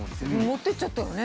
持ってっちゃったらね。